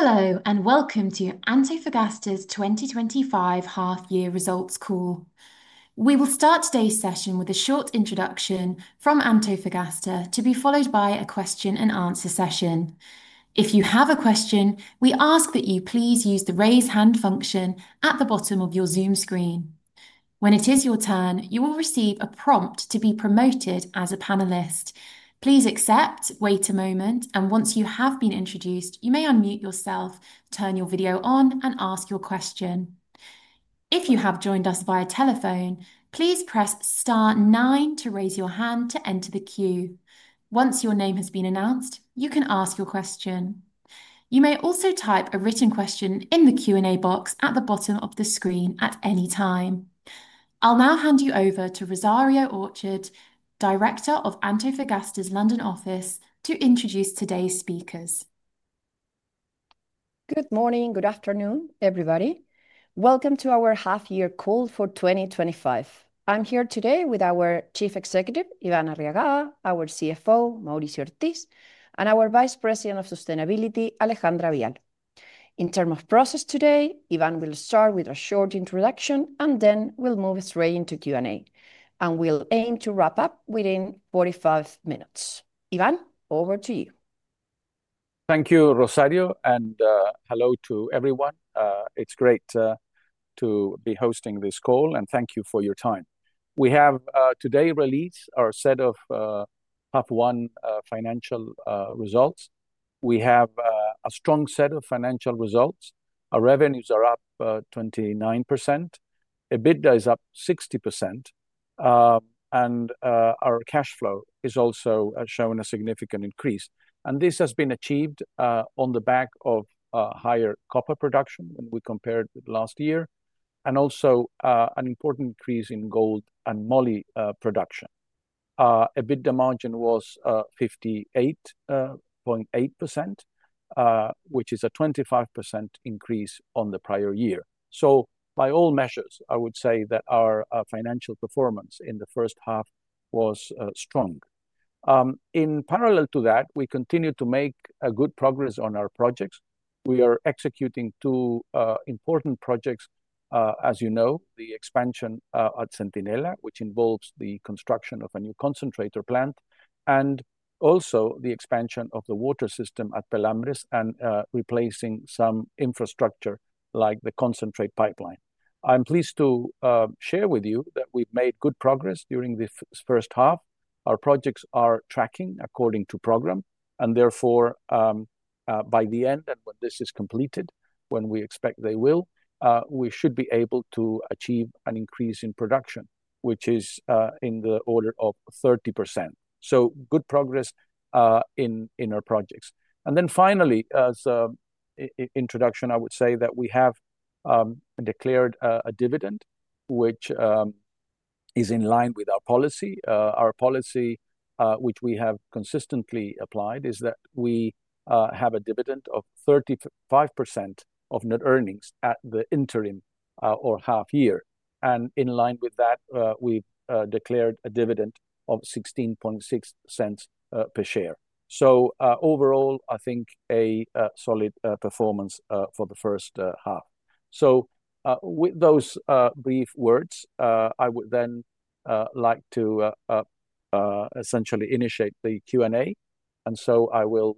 Hello and welcome to Antofagasta's 2025 Half-Year Results Call. We will start today's session with a short introduction from Antofagasta to be followed by a question and answer session. If you have a question, we ask that you please use the raise hand function at the bottom of your Zoom screen. When it is your turn, you will receive a prompt to be promoted as a panelist. Please accept, wait a moment, and once you have been introduced, you may unmute yourself, turn your video on, and ask your question. If you have joined us via telephone, please press star nine to raise your hand to enter the queue. Once your name has been announced, you can ask your question. You may also type a written question in the Q&A box at the bottom of the screen at any time. I'll now hand you over to Rosario Orchard, Director of Antofagasta's London office, to introduce today's speakers. Good morning, good afternoon, everybody. Welcome to our half-year call for 2025. I'm here today with our Chief Executive, Iván Arriagada, our CFO, Mauricio Ortiz, and our Vice President of Sustainability, Alejandra Vial. In terms of process today, Iván will start with a short introduction, then we'll move straight into Q&A. We'll aim to wrap up within 45 minutes. Iván, over to you. Thank you, Rosario, and hello to everyone. It's great to be hosting this call and thank you for your time. We have today released our set of half-one financial results. We have a strong set of financial results. Our revenues are up 29%, EBITDA is up 60%, and our cash flow has also shown a significant increase. This has been achieved on the back of higher copper production when we compared with last year and also an important increase in gold and moly production. EBITDA margin was 58.8%, which is a 25% increase on the prior year. By all measures, I would say that our financial performance in the first half was strong. In parallel to that, we continue to make good progress on our projects. We are executing two important projects, as you know, the expansion at Centinela, which involves the construction of a new concentrator plant, and also the expansion of the water system at Los Pelambres and replacing some infrastructure like the concentrate pipeline. I'm pleased to share with you that we've made good progress during this first half. Our projects are tracking according to program, and therefore, by the end, and when this is completed, when we expect they will, we should be able to achieve an increase in production, which is in the order of 30%. Good progress in our projects. Finally, as an introduction, I would say that we have declared a dividend, which is in line with our policy. Our policy, which we have consistently applied, is that we have a dividend of 35% of net earnings at the interim or half year. In line with that, we've declared a dividend of $0.166 per share. Overall, I think a solid performance for the first half. With those brief words, I would then like to essentially initiate the Q&A. I will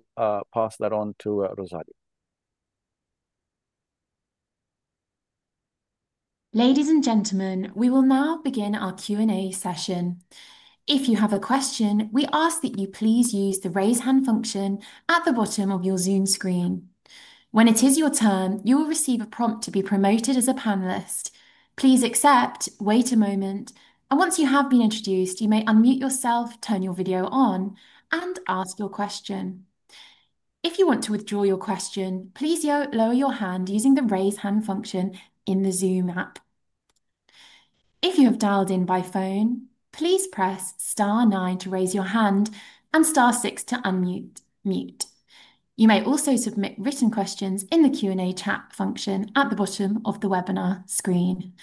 pass that on to Rosario. Ladies and gentlemen, we will now begin our Q&A session. If you have a question, we ask that you please use the raise hand function at the bottom of your Zoom screen. When it is your turn, you will receive a prompt to be promoted as a panelist. Please accept, wait a moment, and once you have been introduced, you may unmute yourself, turn your video on, and ask your question. If you want to withdraw your question, please lower your hand using the raise hand function in the Zoom app. If you have dialed in by phone, please press star nine to raise your hand and star six to unmute. You may also submit written questions in the Q&A chat function at the bottom of the webinar screen.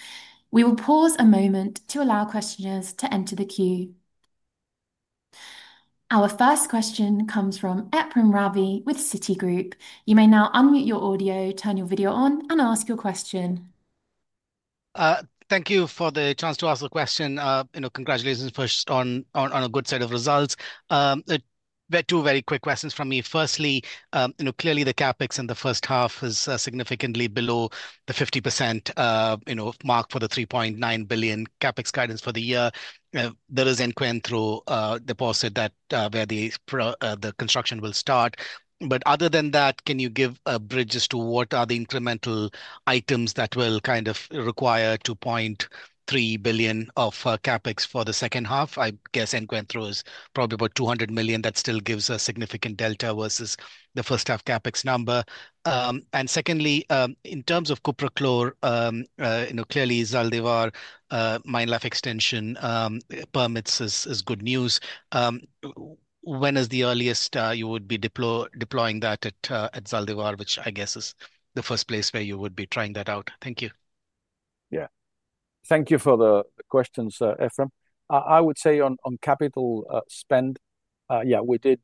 We will pause a moment to allow questioners to enter the queue. Our first question comes from Ephrem Ravi with Citigroup. You may now unmute your audio, turn your video on, and ask your question. Thank you for the chance to ask a question. Congratulations first on a good set of results. There are two very quick questions from me. Firstly, clearly the CapEx in the first half is significantly below the 50% mark for the $3.9 billion CapEx guidance for the year. There is an end-to-end through deposit where the construction will start. Other than that, can you give a bridge as to what are the incremental items that will kind of require $2.3 billion of CapEx for the second half? I guess end-to-end through is probably about $200 million. That still gives a significant delta versus the first half CapEx number. Secondly, in terms of copper chlor, clearly Zaldivar mine life extension permits is good news. When is the earliest you would be deploying that at Zaldivar, which I guess is the first place where you would be trying that out? Thank you. Thank you for the question, sir Ephrem. I would say on capital spend, we did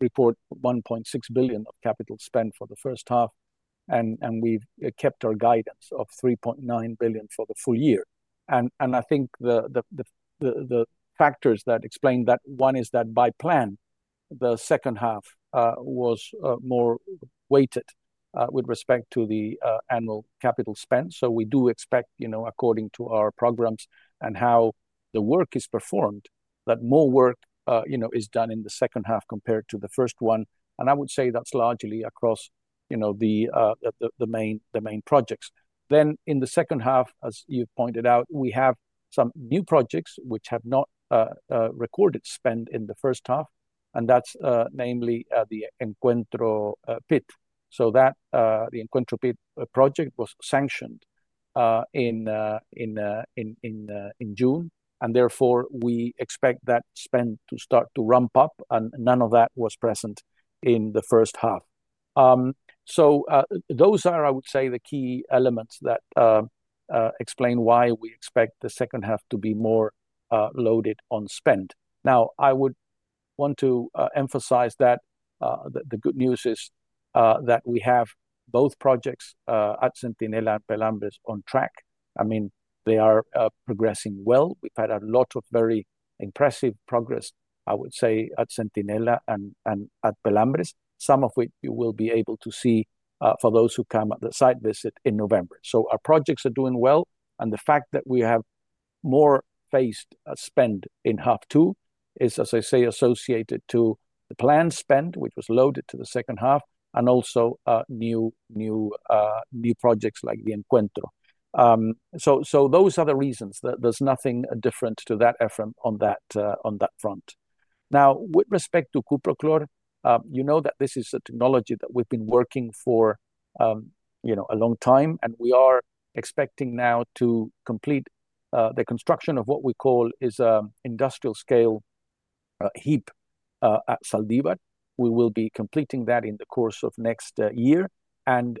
report $1.6 billion of capital spend for the first half, and we kept our guidance of $3.9 billion for the full year. I think the factors that explain that, one is that by plan, the second half was more weighted with respect to the annual capital spend. We do expect, according to our programs and how the work is performed, that more work is done in the second half compared to the first one. I would say that's largely across the main projects. In the second half, as you pointed out, we have some new projects which have not recorded spend in the first half, and that's namely the Encuentro pit. The Encuentro pit project was sanctioned in June, and therefore we expect that spend to start to ramp up, and none of that was present in the first half. Those are, I would say, the key elements that explain why we expect the second half to be more loaded on spend. I want to emphasize that the good news is that we have both projects at Centinela and Los Pelambres on track. They are progressing well. We've had a lot of very impressive progress, I would say, at Centinela and at Los Pelambres, some of which you will be able to see for those who come at the site visit in November. Our projects are doing well, and the fact that we have more phased spend in half two is, as I say, associated to the planned spend, which was loaded to the second half, and also new projects like the Encuentro pit. Those are the reasons. There's nothing different to that, Ephrem, on that front. Now, with respect to copper chlor leaching, you know that this is a technology that we've been working for a long time, and we are expecting now to complete the construction of what we call an industrial scale heap at Zaldivar. We will be completing that in the course of next year. As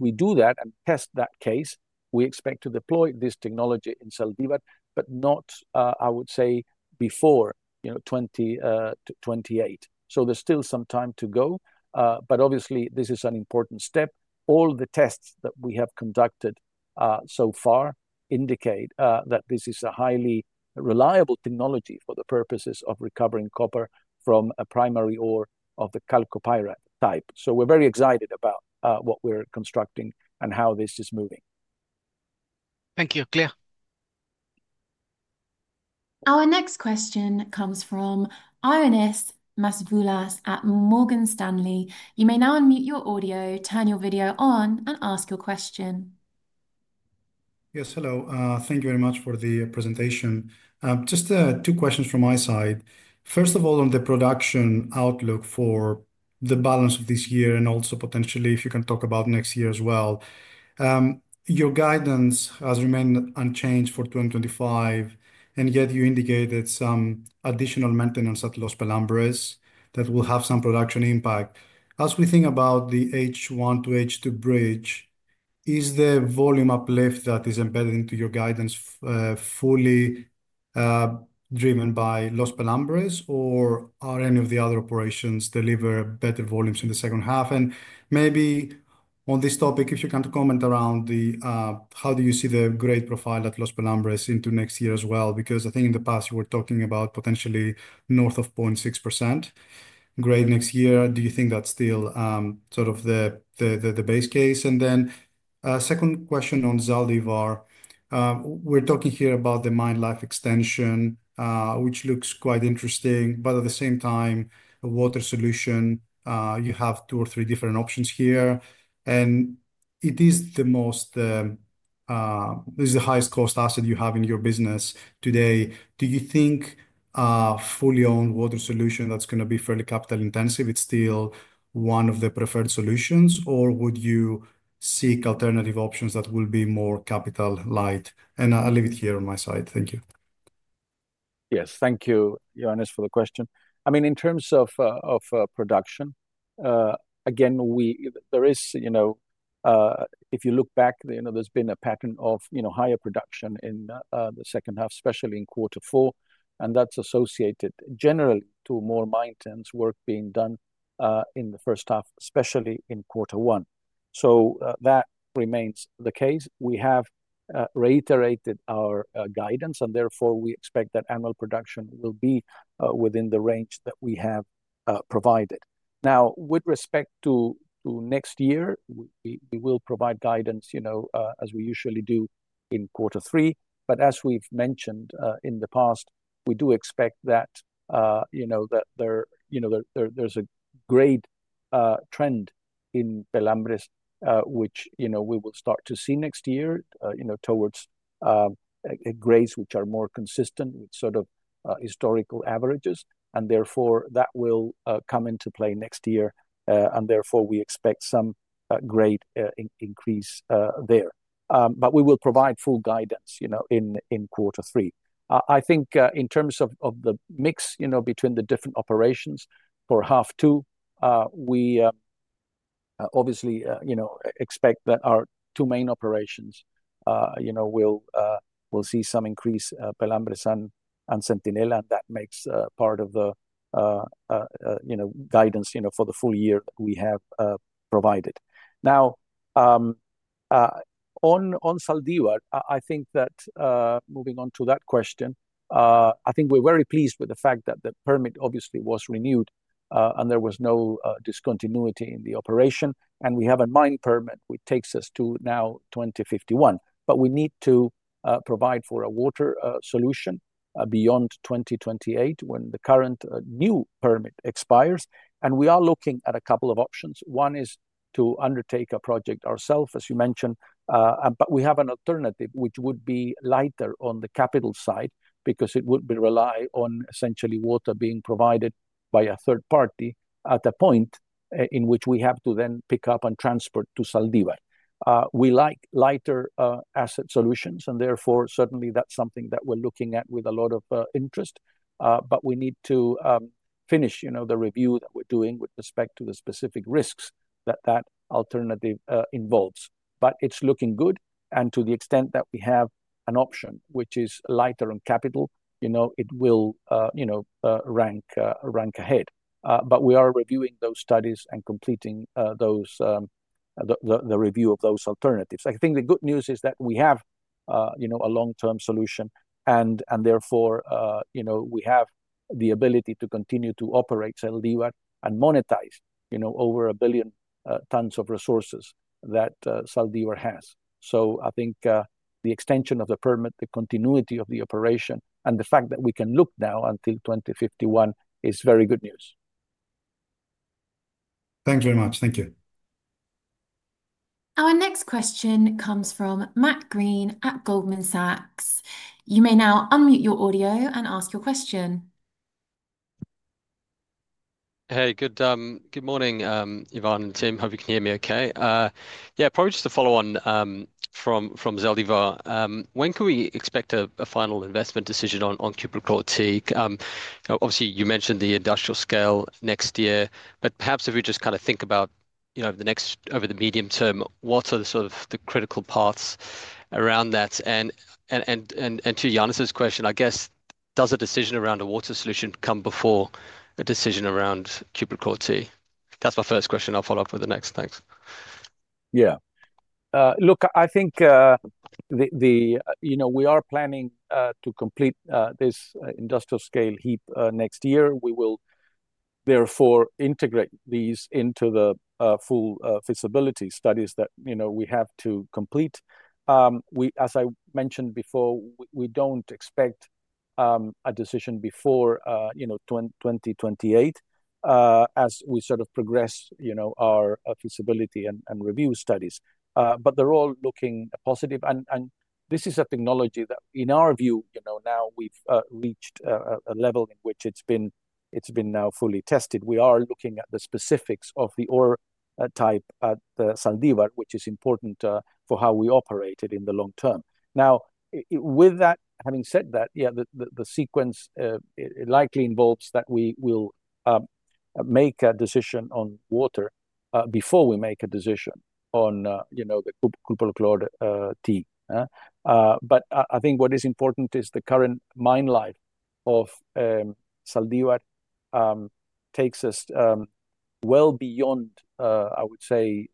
we do that and test that case, we expect to deploy this technology in Zaldivar, but not, I would say, before 2028. There's still some time to go, but obviously, this is an important step. All the tests that we have conducted so far indicate that this is a highly reliable technology for the purposes of recovering copper from a primary ore of the chalcopyrite type. We're very excited about what we're constructing and how this is moving. Thank you, clear. Our next question comes from Ioannis Masvoulas at Morgan Stanley. You may now unmute your audio, turn your video on, and ask your question. Yes, hello. Thank you very much for the presentation. Just two questions from my side. First of all, on the production outlook for the balance of this year and also potentially if you can talk about next year as well. Your guidance has remained unchanged for 2025, and yet you indicated some additional maintenance at Los Pelambres that will have some production impact. As we think about the H1 to H2 bridge, is the volume uplift that is embedded into your guidance fully driven by Los Pelambres, or are any of the other operations delivering better volumes in the second half? Maybe on this topic, if you can comment around how do you see the grade profile at Los Pelambres into next year as well, because I think in the past you were talking about potentially north of 0.6% grade next year. Do you think that's still sort of the base case? A second question on Zaldivar. We're talking here about the mine life extension, which looks quite interesting, but at the same time, water solution, you have two or three different options here. It is the highest cost asset you have in your business today. Do you think a fully owned water solution that's going to be fairly capital intensive is still one of the preferred solutions, or would you seek alternative options that will be more capital light? I'll leave it here on my side. Thank you. Yes, thank you, Ioannis, for the question. I mean, in terms of production, again, if you look back, there's been a pattern of higher production in the second half, especially in quarter four, and that's associated generally to more maintenance work being done in the first half, especially in quarter one. That remains the case. We have reiterated our guidance, and therefore we expect that annual production will be within the range that we have provided. Now, with respect to next year, we will provide guidance as we usually do in quarter three. As we've mentioned in the past, we do expect that there's a grade trend in Los Pelambres, which we will start to see next year towards grades which are more consistent with historical averages. That will come into play next year, and we expect some grade increase there. We will provide full guidance in quarter three. I think in terms of the mix between the different operations for half two, we obviously expect that our two main operations will see some increase at Los Pelambres and Centinela, and that makes part of the guidance for the full year that we have provided. Now, on Zaldivar, moving on to that question, I think we're very pleased with the fact that the permit was renewed and there was no discontinuity in the operation. We have a mine permit which takes us to now 2051, but we need to provide for a water solution beyond 2028 when the current new permit expires. We are looking at a couple of options. One is to undertake a project ourselves, as you mentioned. We have an alternative which would be lighter on the capital side because it would rely on essentially water being provided by a third party at a point in which we have to then pick up and transport to Zaldivar. We like lighter asset solutions, and certainly that's something that we're looking at with a lot of interest. We need to finish the review that we're doing with respect to the specific risks that that alternative involves, but it's looking good. To the extent that we have an option which is lighter on capital, it will rank ahead. We are reviewing those studies and completing the review of those alternatives. I think the good news is that we have a long-term solution, and therefore we have the ability to continue to operate Zaldivar and monetize over a billion tons of resources that Zaldivar has. I think the extension of the permit, the continuity of the operation, and the fact that we can look now until 2051 is very good news. Thank you very much. Thank you. Our next question comes from Matt Greene at Goldman Sachs. You may now unmute your audio and ask your question. Hey, good morning, Iván and team. Hope you can hear me okay. Probably just a follow-on from Zaldivar. When can we expect a final investment decision on copper chlor take? Obviously, you mentioned the industrial scale next year, but perhaps if we just kind of think about, you know, over the next, over the medium term, what are the sort of the critical parts around that? To Ioannis's question, I guess, does a decision around a water solution come before a decision around copper chlor take? That's my first question. I'll follow up with the next. Thanks. Yeah. Look, I think we are planning to complete this industrial scale heap next year. We will therefore integrate these into the full feasibility studies that we have to complete. As I mentioned before, we don't expect a decision before 2028 as we progress our feasibility and review studies. They're all looking positive. This is a technology that, in our view, now we've reached a level in which it's been fully tested. We are looking at the specifics of the ore type at Zaldivar, which is important for how we operate it in the long term. With that having been said, the sequence likely involves that we will make a decision on water before we make a decision on the copper chlor take. I think what is important is the current mine life of Zaldivar takes us well beyond, I would say,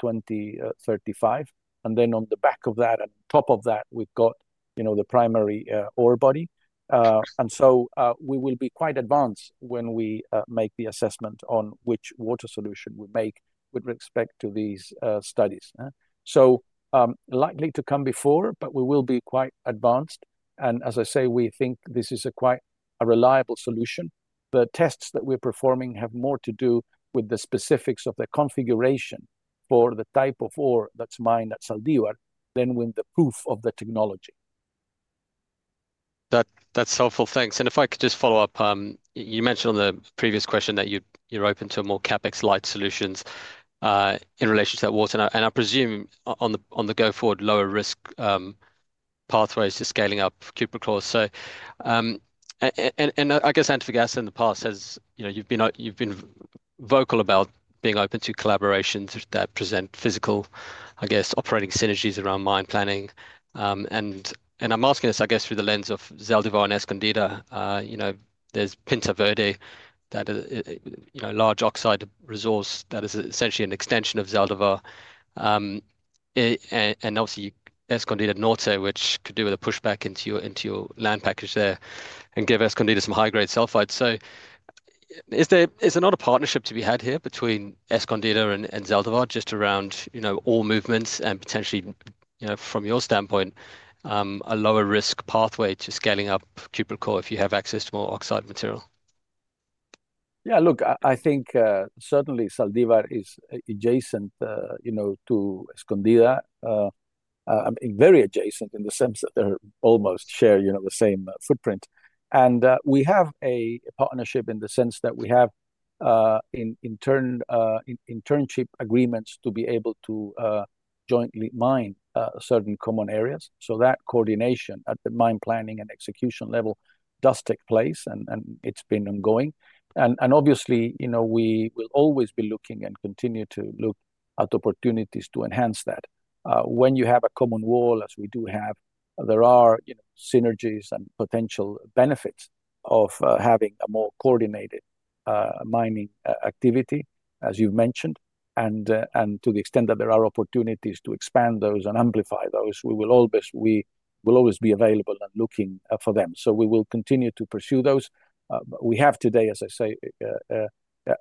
2035. On the back of that, on top of that, we've got the primary ore body. We will be quite advanced when we make the assessment on which water solution we make with respect to these studies. Likely to come before, but we will be quite advanced. As I say, we think this is a quite reliable solution. The tests that we're performing have more to do with the specifics of the configuration for the type of ore that's mined at Zaldivar than with the proof of the technology. That's helpful. Thanks. If I could just follow up, you mentioned on the previous question that you're open to more CapEx light solutions in relation to that water. I presume on the go forward, lower risk pathways to scaling up copper chlor. I guess Antofagasta in the past says you've been vocal about being open to collaborations that present physical, I guess, operating synergies around mine planning. I'm asking this through the lens of Zaldivar and Escondida. There's Pinta Verde, that is a large oxide resource that is essentially an extension of Zaldivar. Obviously, Escondida Norte, which could do with a pushback into your land package there and give Escondida some high-grade sulfides. Is there not a partnership to be had here between Escondida and Zaldivar just around ore movements and potentially, from your standpoint, a lower risk pathway to scaling up copper chlor if you have access to more oxide material? Yeah, look, I think certainly Zaldivar is adjacent to Escondida. I mean, very adjacent in the sense that they're almost sharing the same footprint. We have a partnership in the sense that we have internship agreements to be able to jointly mine certain common areas. That coordination at the mine planning and execution level does take place, and it's been ongoing. Obviously, we will always be looking and continue to look at opportunities to enhance that. When you have a common wall, as we do have, there are synergies and potential benefits of having a more coordinated mining activity, as you've mentioned. To the extent that there are opportunities to expand those and amplify those, we will always be available and looking for them. We will continue to pursue those. We have today, as I say,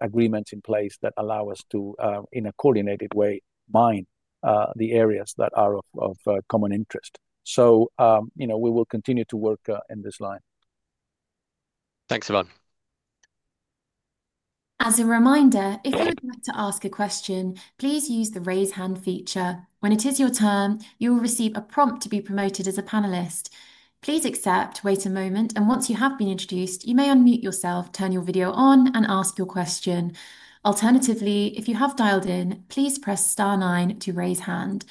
agreements in place that allow us to, in a coordinated way, mine the areas that are of common interest. We will continue to work in this line. Thanks, Iván. As a reminder, if you would like to ask a question, please use the raise hand feature. When it is your turn, you will receive a prompt to be promoted as a panelist. Please accept, wait a moment, and once you have been introduced, you may unmute yourself, turn your video on, and ask your question. Alternatively, if you have dialed in, please press star nine to raise hand.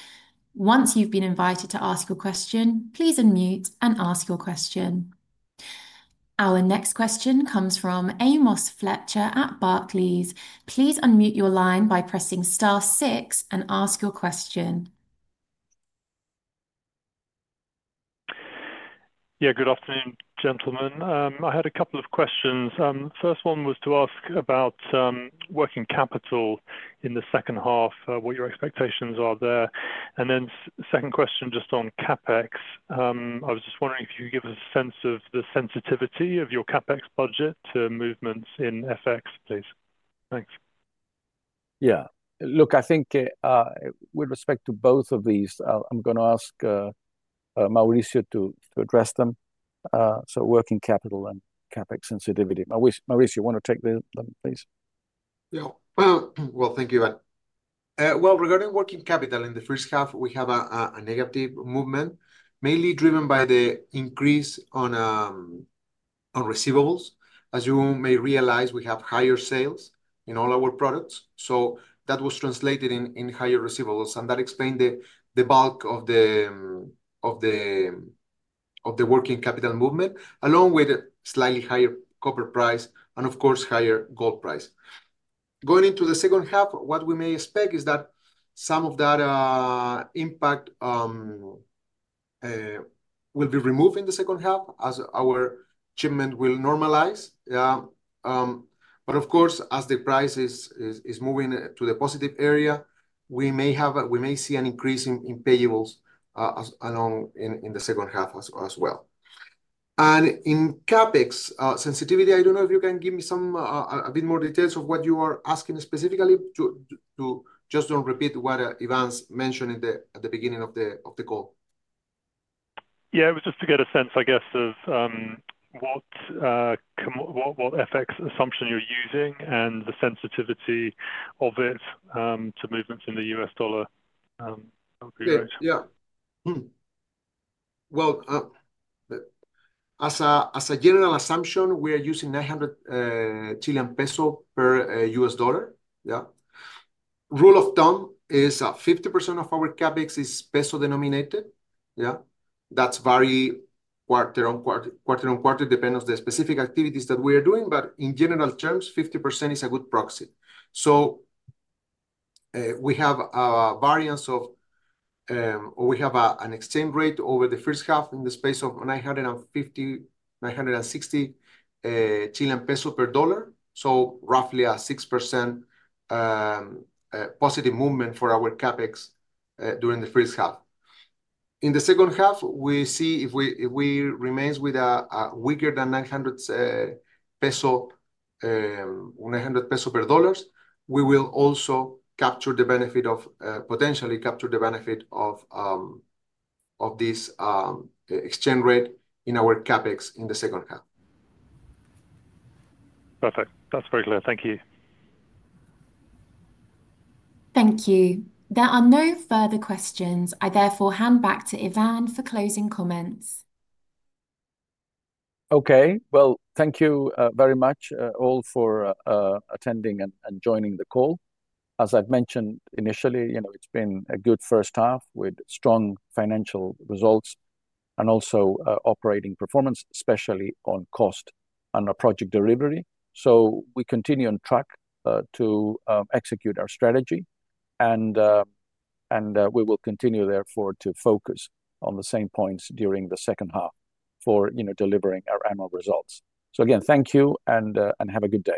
Once you've been invited to ask your question, please unmute and ask your question. Our next question comes from Amos Fletcher at Barclays. Please unmute your line by pressing star six and ask your question. Good afternoon, gentlemen. I had a couple of questions. The first one was to ask about working capital in the second half, what your expectations are there. The second question is just on CapEx. I was just wondering if you could give us a sense of the sensitivity of your CapEx budget to movements in FX, please. Thanks. Yeah, look, I think with respect to both of these, I'm going to ask Mauricio to address them. Working capital and CapEx sensitivity. Mauricio, you want to take them, please? Thank you. Regarding working capital in the first half, we have a negative movement, mainly driven by the increase on receivables. As you may realize, we have higher sales in all our products. That was translated in higher receivables, and that explained the bulk of the working capital movement, along with a slightly higher copper price and, of course, higher gold price. Going into the second half, what we may expect is that some of that impact will be removed in the second half as our shipment will normalize. Of course, as the price is moving to the positive area, we may see an increase in payables along in the second half as well. In CapEx sensitivity, I don't know if you can give me some a bit more details of what you are asking specifically. Just don't repeat what Iván mentioned at the beginning of the call. Yeah, it was just to get a sense, I guess, of what FX assumption you're using and the sensitivity of it to movements in the U.S. dollar. As a general assumption, we are using 900 Chilean peso per US dollar. The rule of thumb is 50% of our CapEx is peso denominated. That is very quarter on quarter, depending on the specific activities that we are doing. In general terms, 50% is a good proxy. We have a variance, or we have an exchange rate over the first half in the space of 960 Chilean pesos per dollar. That is roughly a 6% positive movement for our CapEx during the first half. In the second half, if we remain with a weaker than CLP 900 per dollar, we will also potentially capture the benefit of this exchange rate in our CapEx in the second half. Perfect. That's very clear. Thank you. Thank you. There are no further questions. I therefore hand back to Iván for closing comments. Thank you very much all for attending and joining the call. As I've mentioned initially, you know, it's been a good first half with strong financial results and also operating performance, especially on cost and our project delivery. We continue on track to execute our strategy, and we will continue therefore to focus on the same points during the second half for delivering our annual results. Again, thank you and have a good day.